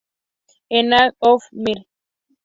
En "Age of Apocalypse", Mr.